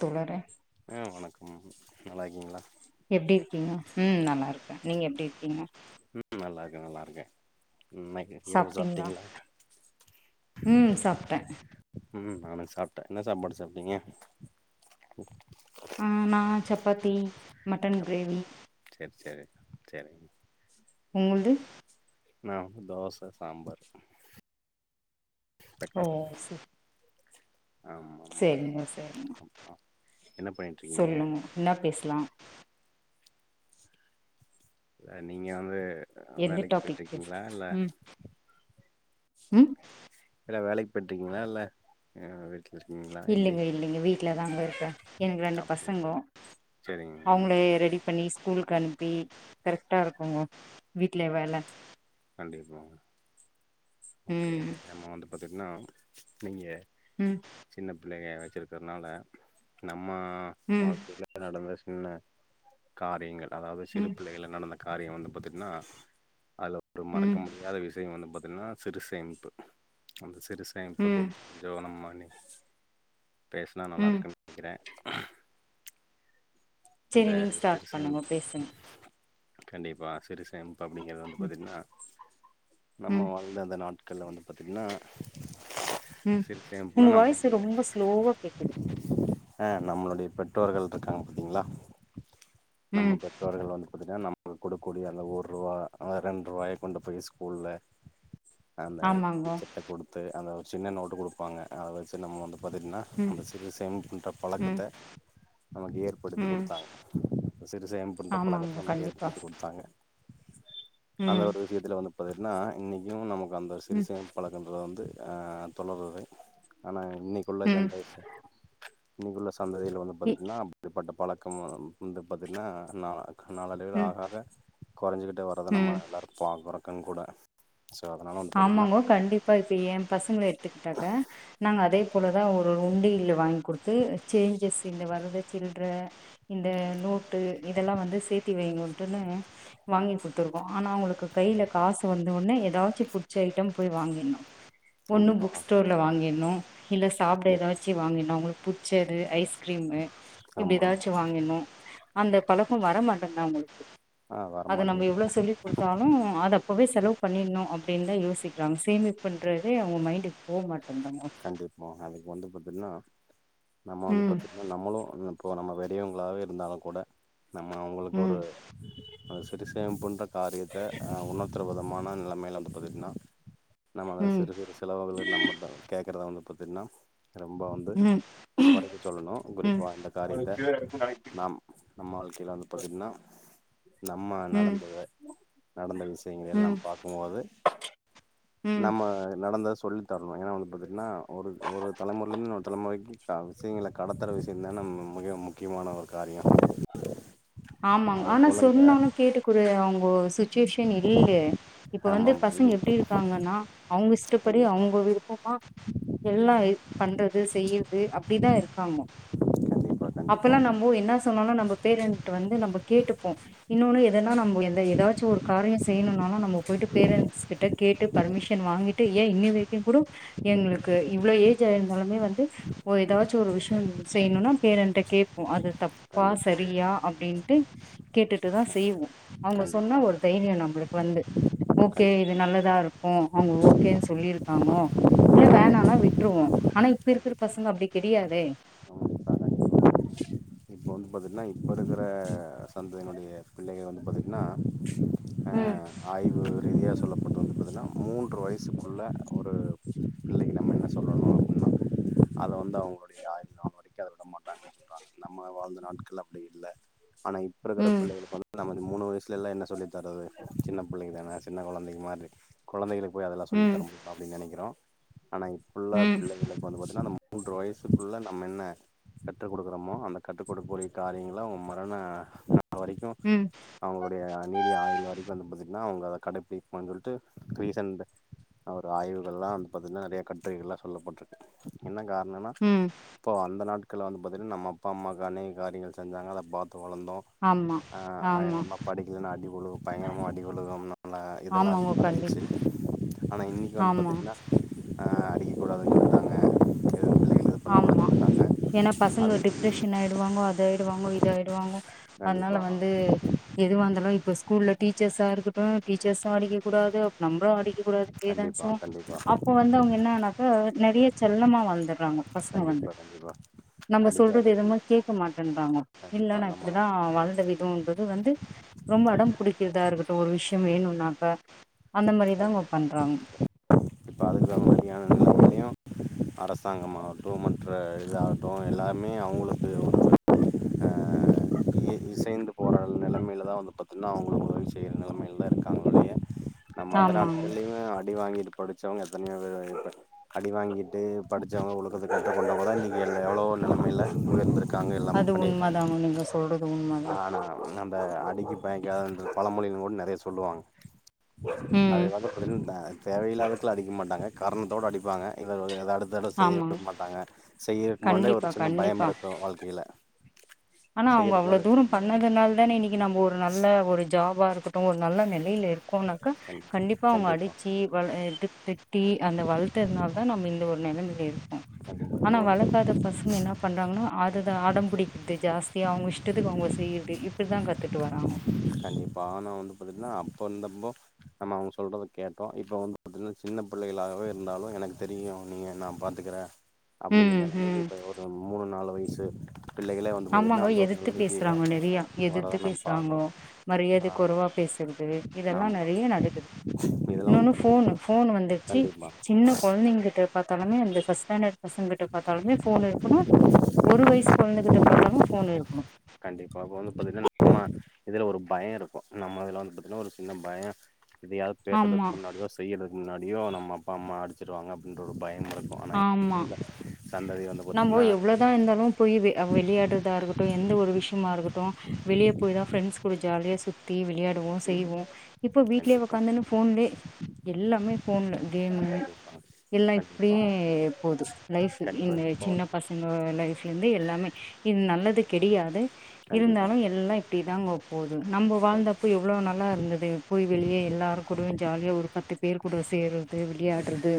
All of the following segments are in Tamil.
தோழரே ஆ வணக்கம் நல்லாக்கீங்களா எப்டி இருக்கிங்க ம் நல்லா இருக்க நீங்க எப்டி இருக்கிங்க ம் நல்லாருக்க நல்லாருக்க ம் சாப்பிட்டீங்களா ம் சாப்ட்ட ம் நானு சாப்ட்ட என்ன சாப்பாடு சாப்ட்டிங்க ஆ நா சப்பாத்தி மட்டன் கிரேவி செரி செரி செரிங் உங்குள்து நா தோச சாம்பார் ஓ தக்காளி செ ஆமா ஆமா செரிங்க செரிங்க ஆ. என்ன பன்னிட் சொல்லும் என்ன பேசலா இல்ல நீங்க வந்து எந்த வேலைக்கு டாபிக் பேச போய்ட்டுருக்கீங்களா இல்ல ம் ம் இல்ல வேலைக்கு போயிட்டுருக்கீங்களா இல்ல ஆ வீட்ல இருக்கீங்க இல்லைங்க இல்லைங்க வீட்லதாங்க இருக்கே எனக்கு ரெண்டு அப்டிங்களா பசங்கோ சேரிங்க அவங்களே ரெடி பண்ணி ஸ் கூலுக்கு அனுப்பி கரெக்ட்டா இருக்குங்க வீட்ல வேல கண்டிப்பா ஓகே ம் நம்ம வந்து பாத்தீட்ன்னா நீங்க ம் சின்ன பிள்ளைக வச்சிருக்குறனால நம்ம ம் வாழ்க்கைல நடந்த சின்ன காரியங்கள் அதாவது சிறு ம் பிள்ளைகள நடந்த காரியம் வந்து பாத்தீட்ன்னா அதுல ஒரு மறக்க ம் முடியாத விஷயம் வந்து பாத்தீங்கன்னா சிறுசேமிப்பு அந்த சிறுசேமிப்பு ம் [unintelligible] பேசினா ம் நல்லாருக்கு நெனைக்கிற ஆ செரி நீங்க சிறு ஸ்டார்ட் பண்ணுங்கோ சேமிப்பு பேசுங்க கண்டிப்பா சிறு சேமிப்பு அப்டிங்கறது ம் வந்து பாத்டிங்கன்னா ம் நம்ம வாழ்ந்த அந்த நாட் கள்ல வந்து பாத்டிங்கன ம் உங்க வாயிசு ரொம்ப ஸ்லோவா கேக்குது ஆ நம்மளுடைய பெற்றோர்கள் இருக்காங்க பாத்தீங்களா நம்ம ம் பெற் றோர்கள் வந்து பாத்தீங்கன்னா நம் கொடுக்கூடிய அந்த ஒரூவா ரெண்டு ரூவாய கொண்டு போய் ஸ்கூல்ல அந்த ஆமாங்கோ டீச்சர்டா குடுத்து அந்த ஒரு சின்ன நோட்டு குடுப்பாங்க அத வச்சு நம்ம வந்து பாத்தீட்ன்னா ம் அந்த சிறு சேம்ப் ன்ற ம் பலக்கத்த நமக்கு ஏ ற்படுத்தி ம் குடுத்தாங்க சிறுசேம்ப்புன்ற ஆமாங்கோ பலக்கத்த நமக்கு கண்டிப்பா ஏற்படுத்தி குடுத்தாங்க அந்த ம் ஒரு விஷயத்துல வந்து பாத்தீட்ன்னா இன்னிக்கும் நமக்கு அந்த ஒரு ம் சிறுசேம் பலக்கன்றது வந்து ஆ தொலருது ஆனா இன்னிக்குள்ள ம் ஜென்ரேஷன் இன்னிக்குள்ள சந்ததியில வந்து இ பாத்தீட்ன்னா அப்டிப்பட்ட பழக்கம் வந்து பாத்தீட்ன்னா நா நாளடைவில ம் ஆகாகா கொறஞ்சிக்கிட்டே வர்றத நம்ம ம் எல்லாரும் பாக்குறோ கண் கூட ஆமாங்கோ கண்டிப்பா இப்ப ஏ பசங்கள எடுத்துக்கிட்டாக்க நாங்க அதே போலதா ஒரு உண்டில்ல வாங்கி குடுத்து சேஞ்சஸ் இந்த வரத சில்ற இந்த நோட்டு இதெல்லா வந்து சேத்தி வைங்குட்டுன்னு வாங்கி குத்துருக்கோ ஆனா அவங்களுக்கு கையில காசு வந்த ஒன்னே எதா ச்சு புச்ச ஐட்டம் போய் வாங்கின்னோ ஒன்னு கண்டிப்பா புக் ஸ்டோர்ல வாங்கின்னோ இல்ல சாப்ட ஏதாச்சு வாங்கின்னோ உங்ளுக்கு புச்சது ஐஸ்கிரீமு இப்டி ஆமா ஏதாச்சு வாங்கின்னோ அந்த பழக்கம் வரமாட்டன்து அவங்ளுக்கு ஆ அது நம்ம எவ்ளோ வரமாட்டேங்குது சொல்லி் குடுத்தாலும் அது அப்பவே செலவு பண்ணிணோ அப் ப்டின் தா யோசிக்றாங்க சேமிப்புன்றதே அவங்க மைண்டுக் போக மாட்டேந்தம்மு கண்டிப்போம் அதுக்கு வந்து பாத்தீட்ன்னா நம்ம வந்து ம் பத்து நம்மளும் இப்போ நம்ம வெடியவங்களாவே இருந்தாலும் கூட நம்ம அவங்களுக்கு ஒரு ம் அந்த சிறுசேம்புன்ற காரியத்த அ உன்னத்துர வுதமான நிலைமையில பாத்திட்ன்னா நம்மள ம் சிறு சிறு செலவாவுதல நம்ம கேக்குறத வந்து பாத்தீட்ன்னா ரொம்ப வந்து ம் ம் கொறைக்க சொல்லணு குறிப்பா அந்த காரியத்த நாம் நம்ம வாழ்க்கையில வந்து பாத்தீட்ன்னா நம்ம ம் நடந்தது நடந்த விஷயங்ளல்லா ம் பாக்கும்போது ம் நம்ம நடந்தத சொல்லி தர்ணோ ஏன்னா வந்து பாத்தீட்ன்னா ஒரு ஒரு தலைமுறைலந்து இன்னோரு தலைமுறைக்கு க விஷயங்கள கடத்துற விஷயம் தா நம்ம மிக முக்கியமான ஒரு காரியோ ஆமாங் அது ஆனா போல இந்த சொன்னாலும் கேட்டுக்குறிய அவங்கோ சு ச்சுவேஷன் இல்லே இப்ப ஆமா வந்து ஆமா பசங்க ம், எப்டி இருக்காங்கன்னா அவங்க இஷ்டப்படி கண்டிப்பா அவங்க விருப்பமா எல்லா பண்றது செய்றது அப்டிதா இருக்காம்மோ கண்டிப்பா கண்டிப்பா அப்பல்லா நம்போ என்ன சொன்னாலும் நம்போ பேரண்ட்டு வந்து நம்போ கேட்டுப்போ இன்னொன்னு எதனா நம்போ கண்டிப்பா எந்த ஏதாச்சு ஒரு காரியோ செய்ணோனாலு நம்போ போயிட்டு பேரண்ட்ஸ் கிட்ட கேட்டு பர்மிஷன் வாங்கிட் ட்டு ஏ இன்னி வரைக்கும் குடோ எங்களுக்கு இவ்ளோ ஏஜ் ஆயிருந்தாலுமே வந்து ஓ ஏதாச்சும் ஒரு விஷயம் செய்ணுன்னா பேரண்ட்ட கேட்போ அது தப் கண்டிப்பா ப்பா கண்டிப்பா சரியா அப்டின்ட்டு கேட்டுட்டு தா செய்வோ அவங்க சொன்னா கண்டிப்பா ஒரு தைரியோ நம்புளுக்கு வந்து ஓகே கண்டிப்பா இது நல்லதா இருக்கோ அவங்க ஓகேன் சொல்லிருக்காங்க இல்ல வேணான்னா விட்ருவோ ஆனா இப்ப இருக்கிற கண்டிப்பா பசங்க அப்டி கெடையாதே கண்டிப்பா இப்போ வந்து பாத்தீட்ன்னா இப்ப இருக்கிற சந்தினுடைய பிள்ளைங்கா வந்து பாத்தீட்ன்னா அ ம் ஆய்வு ரீதியா சொல்லப்படுது வந்து பாத்தீட்ன்னா மூன்று வயசுக்குள்ள ஒரு பிள்ளைக்கு நம்ம என்ன சொல்லணு அப்டின்னா அது வந்து அவங்களுடைய ஆயுள் நாள் வரைக்கும் அதை விட மாட்டாங்கன்னு சொல்கிறாங்க வாழ்ந்த நாட்கள் அப்டி இல்ல ஆனா இப்பருக்குற ம் பிள்ளைலுக்கு வந் நம மூணு வயசுல என்ன சொல்லி தரது சின்ன பிள்ளைக்கு தானே சின்ன கொழந்தைக்கு மாதிரி கொழந்தைகளுக்கு போய் அதெல்லா சொல்லி ம் தர முடி அப்படின்னு நெனைக்கிறோ ஆனா இப்பள்ள ம் பிள்ளைக இப்போ வந்து பார்த்தீங்கன்னா அந்த மூன்று வயசுக்குள்ள நம்ம என்ன கற்று குடுக்குறோமோ அந்த கற்றுக் குடுக்கக் கூடிய காரியங்கள்ல அவங்க மரண வரைக்கும் ம் அவுங்களுடைய நீடிய ஆயுள் வரைக்கு வந்து பாத்தீங்கன்னா அவுங்க அதை கடைபிடிக்குனு சொல்லிட்டு கிரீசன் அவர் ஆய்வுகள்லா வந்து பாத்தீங்கன்னா நெறைய கட்டுரைகள்லா சொல்லப்பட்டிருக்கு என்ன கா எனனா ம் இப்போ அந்த நாட்கள வந்து பாத்தீங்கன்னா நம்ம அப்பா அம்மாக்கு அ காரியங்கள் செஞ்சாங்க அத பார்த்து வளந்தோ ஆமா ஆ ஆ ஆ ஆமா பாடிக்கலனா அடிவுழு பயங்கரமா அடிவுழுவும்னல்ல இதெல்லா ஆமாங்க நடந்துச்சு கண்டிப்பா ஆனா இனைக்கு வந்து ஆமா பாத்தீங்கன்னா அடிக்கக்க கூடாதுனு சொல்டாங்க ஆமா எனா பசங்க அது டிப்ரஷன் ஆயிடுவாங்கோ அது ஆயிடுவாங்கோ இது ஆயிடுவாங்கோ அதுனால கண்டிப்பா வந்து எதுவா இருந்தாலு இப்ப ஸ்கூல்ல டீச்சர்ஸா இருக்கட்டு டீச்சர்ஸு அடிக்க கூடாது நம்பளு அடிக்க கூடாது கண்டிப்பா பேரன்ஸு கண்டிப்பா அப்போ வந்து அவுங்க எனான்னாக்கா நெறைய செல்லமா வளந்தறாங்க வந்து கண்டிப்பா கண்டிப்பா நம்ப சொல்றது அடிக்காத பிள்ள எதுமே கேட்க மாட்டேன்றாங்க இல்ல கண்டிப்பா நா நம்ம இப்டிதா வளந்த விதோன்றது வந்து ரொம்ப அடம் புடிக்கறதா இருக்கட்டு ஒரு விஷயோ வேணும்னாக்கா அந்த மாரிதா அவுங்க பண்றாங்க பாராதக்கிராம் மாரியா அரசாங்கமாகட்டு மற்ற இதாகட்டு எல்லாமே அவுங்களுக்கு ஒரு ஆ இ இசைந்து போராட நெலமைல தா வந்து பாத்தீங்கன்னா அவுங்களு உதவி செய்கிற நெலமைல தா இருக்காங்களுடைய நம்ப அந்த ஆமாங்க நாட்கள்லயு அடி வாங்கிட்டு படிச்சவங்க எத்தனையோ பேரு அடி வாங்கி ட்டு படிச்சவங்க ஒழுக்கத்துக்கு கட்டுபட்டவங்கதா இன்னைக்கு எல் எவ்ளோ நெலமையில உயர்ந்திருக்காங்க எல்லாம அது பண்ணியிருக்காங்க உண்மதாங்க நீங்க சொல்றது உண்ம தா ஆனால் அந்த அடிக்கு தயங்காத பழமொழி கூட நெறைய சொல்லுவாங்க அதை ம் வந்து அப்டின் தேவையில்லாததுகல்லா அடிக்க மாட்டாங்க காரணத்தோடு அடிப்பாங்க இல்ல எதாவது தடம் செய்ய ஆமா விடமாட்டாங்க செய்ய இருக்கும்போதே கண்டிப்பா ஒரு சின்ன பயம் கண்டிப்பா இருக்கு வாழ்க்கையில ஆனா அவுங்க செய்யறக்கு முன்னாடி ஒரு சின்ன அவ்ளோதூரம் பயம் இருக்கு பண்ணதுனால தானே இன்னைக்கு நம்ப ஒரு நல்ல ஒரு ஜாபா இருக்கட்டு ஒரு நல்ல நெலையில இருக் கோனாகா கண்டிப்பா அவுங்க அடிச்சு வள இது திட்டி அந்த வளர்த்ததுனால தா நம்ப இந்த ஒரு நெலமையில இருக்கோ கண்டிப்பா இப்ப ஆனா வந்து வளக்காத பாத்தீங்கன்னா பசங்க என்ன பண்றாங்கன்னா அதுதா அடம் பிடிக்குது ஜாஸ்தியா அவுங்க இஷ்டத்துக்கு அவுங்க செய்யறது இப்டிதா கத்துட்டு வராங்க கண்டிப்பா ஆனா வந்து பாத்தீங்கன்னா அப்போ இருந்தப்போ நாம அவுங்க சொல்றத கேட்டோ இப்ப வந்து பாத்தீங்கன்னா சின்ன புள்ளைகளாகவே இருந்தாலு எனக்கு தெரியு நீங்க நா பா த்துகுற அப்டிங்கிற ம் ம் நிலமைகு இப்ப ஒரு மூணு நாலு வயசு பிள்ளைகளே வந்து பாத்தீங்கன்னா ஆமாங்கோ அந்த ஒரு எதிர்த்து நெலைமைக்கு பேசுறாங்கோ நெறையா வரத எதிர்த்து நம்ம பாக்குறோ பேசுறாங்கோ மரியாதை ஆ குறைவா பேசுறது இதெல்லா ஆமா நெறைய நடக்குது இதெல்லா வந்து இன்னொன்னு ஃபோன் பாத்தீங்கன்னா ஃபோனு வந்துடுச்சு கண்டிப்பா சின்ன குழந்தைங்ககிட்ட பாத்தாலுமே இந்த ப்ஸ்ட் ஸ்டாண்டர்ட் பசங்க கிட்ட பாத்தாலுமே ஃபோனு இருக்கணு ஒரு வயசு குழந்தைகிட்ட பாத்தாலு ஃபோன் இருக்கணு கண்டிப்பா இப்ப வந்து பாத்தீங்கன்னா நம்ம இதுல ஒரு பயோ இருக்கு நம்ம இதுல வந்து பாத்தீங்கன்னா ஒரு சின்ன பயோ எதையாது ஆமா பேசுறதுக்கு முன்னாடியோ செய்யறதுக்கு முன்னாடியோ நம்ப அப்பா அம்மா அடிச்சுருவாங்க அப்டின்ற ஒரு பயம் இருக்கு ஆமா நம்ப பாத்தீங்கன்னா எவ்ளோதா இருந்தாலு புரியுது வெளையாடுதா இருக்க எந்த ஒரு விஷயமா இருக்கட்டு வெளியே போய் தா பிரெண்ட்ஸ் கூட ஜாலியா சுத்தி விளையாடுவோ செய்வோ இப்போ வீட்லயே கண்டிப்பா உக்காந்துன்னு ஃபோன்லயே எல்லாமே ஃபோன்ல கேம் கண்டிப்பா எல்லா கண்டிப்பா மே போது லைப்வு கண்டிப்பா இந்த இப்போ சின்ன பச ங்க லைஃப்ல இருந்து எல்லாமே இது நல்லது கிடையாது கண்டிப்பா இருந்தாலு எல்லா இப்டிதாங்க போது நம்ப வாழ்ந்தப்போ கண்டிப்பா எவ் ளோ நல்லா இருந்தது போய் வெளியே எல்லாரு கூடயு ஜாலியா ஒரு பத்து பேரு கூட சேர்றது விளையாட்றது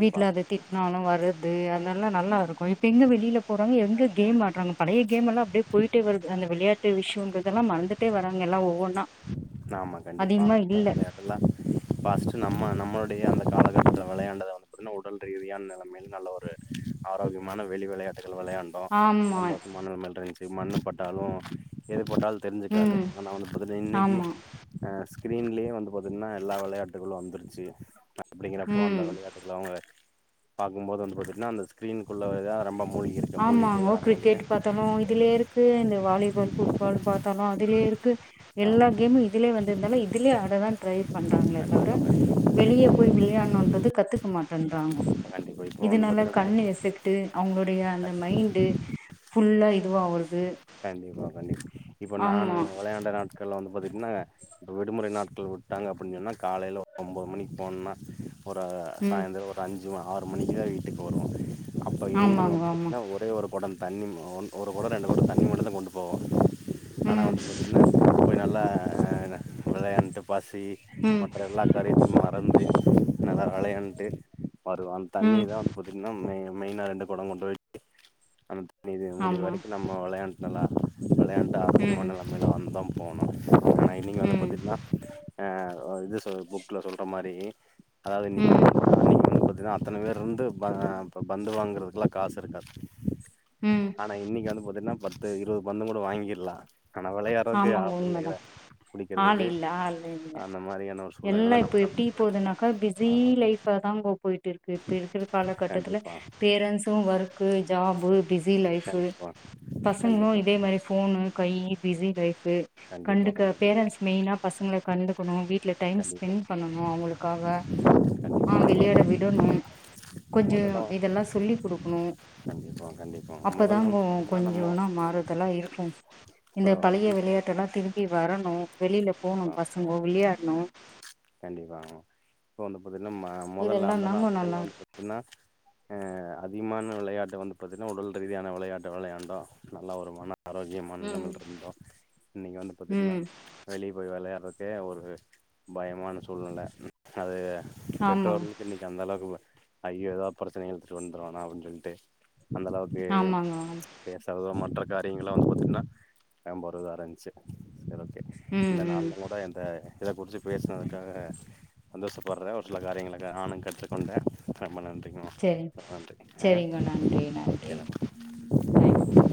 வீட்ல அத திட் னாலு வருது அதெல்லா நல்லா இருக்கு இப்ப எங்க வெளில போறாங்க எங்க கேம் ஆட்றாங்க பழைய கேமெல்லா அப்டே போய்ட்டே வருது அந்த விளையாட்டு விஷயோன்றதெல்லா மறந்துட்டே வராங்க எல்லா ஒவ்வொன்னா ஆமா கண்டிப்பா அதிகமா இல்ல [unintelligible] எல்லா ஃபாஸ்ட்டு நம்ம நம்மளுடைய அந்த காலகட்டத்தி விளையாண்டத வந்து பாத்தீங்கனா உடல் ரீதியான நெல மேல் நல்ல ஒரு ஆரோக்கியமான வெளி விளையாட்டுகள் விளையாண் டோ ஆமா சந்தோஷமா மணல் மேல்ருந்ச்சு மண்ணு பட்டாலு எது போட்டாலு தெரிஞ்சுக்காது ம் ஆனா வந்து பாத்திட்னா இன்னைக்கி ஆமா அ ஸ்க்கிரீன்லியே வந்து பாத்தீட்கன்னா எல்லா வெளையாட்டுகளு வந்துருச்சு அப்டிங்கிறப்போ அந்த ம் விளையாட்டுத்துல அவுங்க பாக்கும்போது வந்து பாத்தீட்ன்னா அந்த ஸ்க்ரீனுக்குள்ளவேதா ரொம்ப மூழ்கி இருக்கு மூழ்கி போயற்றாங்க [unintelligible] ட்ரனு இதுலியேருக்கு இந்த வாலிபால் ஃபுட்பால் பாத்தாலு அதுலே இருக்கு ஆமா. எல்லா கேமு இதுலே வந்து இருந்தாலு இதுலே அத தா ட்ரை பண்றாங்ளே கண்டிப்பா, தவிர கண்டிப்பா, வெளியே போய் விளையாணுன்றது கத்துக்க மாட்டன்றாங்கோ கண்டிப்பா. இப்போ வந்து இதனால பார்த்தீங்கன்னா, கண்ணு எஃபெக் ட்டு அவுங்களுடைய அந்த கண்டிப்பா. மைண்டு ஃபுல்லா இதுவாவுர்து கண்டிப்பா கண்டிப் இப்ப நானு விளையாண்ட நாட்கள்ல வந்து பாத்தீடனாங்க இப்ப விடுமுறை நாட்கள் வுட்டாங்க அப்பின் சொன்னா காலையில ஒம்பது மணிக்கு போன்னா ஒரு ம் சாயந்தரோ ஒரு அஞ்சு ம ஆறு மணிக்கிதா வீட்டுக்கு வருவோ அப்போ இருந்தத ஆமாங்க ஆமா பாத்னா ஒரே ஒரு கொடோ தண்ணி ஒன் ஒரு கொடோ ரெண்டு கொடோ தண்ணி மட்டுந்தா கொண்டு போவோ ஆனா ம் வந்து [unintelligible] நல்லா என்ன விளையாண்ட்டு பசி ம் மற்ற எல்லா காரியத்துமே மறந்து நல்லா விளையான்ட்டு வருவம் தண்ணி ம் தா பாத்திட்கனா மெ மெயினா ரெண்டு கொடோ கொண்டு போய்ட்டு அந்த தண்ணி இது முடி ஆமா வரைக்கு ந ம்ம விளையாண்கலா விளையாண் ம் [unintelligible] வந்தம் போனோ [unintelligible] ம் ஆ இது சொ புக்ல சொல்ற மாரி அதாவ்து இன்னிக் [inaudible] ம் அன்னிக் வந்து பாத்தீனா அத்தன பேரு இருந்து ப இப்ப பந்து வாங்குறதுக்குலா காசு இருக்காது ம் ஆனா இன்னிக்கு வந்து பாத்தீட்னா பத்து இருவது பந்துங் கூட வாங்கிற்லா ஆனா விளையாட்றத்க்கு ஆமாங்க உண்மதா ஆசயில்லயில ஆள் புடிக்கிறதுக்கு இல்ல ஆள் இல்ல அந்த மாரியான ஒரு சூழ்நிலைலதா நம்ம கடந்து போய்ட்ருக்கோ க பிஸி லைஃப்பா தாங்கோ போய்ட்டுருக்கு இப்ப இருக்கிற காலகட்டத்தில கண்டிப்பாக parents work job busy life கண்டிப்பாக பசங்களு கண்டிப்பாக இதே மாரி ஃபோனு கையி பிஸி லைஃபு கண்டிப்பாக கண்டிப்பாக கண்டுக்க பேரன்ஸ் மெயினா பசங்ள கண்டுக்கணு வீ ட்ல கண்டிப்பாக டைம் ஸ்பெண் கண்டிப்பாக பண்ணணு அவுங்களுக்காக ஆ கண்டிப்பாக விளையாட விடணும் கொஞ்சோ மொதல்ல இதெல்லா சொல்லி குடுக்ணு கண்டிப்பா கண்டிப்பா மொதல்ல வந்து அப்பதாங்க பாத்தீங்கன்னா நம்மோ கொஞ்சோன மாறுதெல்லா இருக்கு இப்ப இந்த பழைய அதிகம் விளையாட்டெலாம திரும்பி வரணுவெளில போணு பசங்க விளையாட்ணு கண்டிப்பாங்க இப்ப வந்து பாத்தீட்ன்னா மொதல்ல இதெல்லா அந்த தாங்க நல்லா நாட்கள்ல வந்து இருக்கு பாத்தீன்னா ஆ அதிகமான விளையாட்ட வந்து பாத்தீண்னா உடல் ரீதியான விளையாட்டு விளையாண்டோ நல்லா ஒரு மன ஆரோக்கியமான ம் நிலைமைல்ருந்தோ இன்னைக்கு வந்து பாத்தீட்ன்னா ம் வெளிய போய் விளையாட்றக்கே ஒரு பயமான சூழ்நில அது ப ஆமா பெட்டுரோல் அந்த அளவுக்கு ஐயோ ஏதோ பிரச்சன எழுத்துட்டு வந்துவ அப்டின்னு சொல்லிட்டு அந்த அளவுக்கு ஆமாங்க ஆமா ஏ சரிதா மற்ற காரியங்களா வந்து பார்த்தீங்கன்னா நம்பரது வேற என்ன செய்ய சரி ஓகே ம் இந்த நாள ம் கூட இந்த இத குடிச்சு பேசினதுக்காக சந்தோஷப்படுற ஒரு சில காரியங்க நானு கத்துக் கொண்ட ரொம்ப நன்றிங்கமா செரி ரொம்ப நன்றி ஆ செரிங்க நன்றி ஓகே நன்றி தேங்க்ஸ்ங்க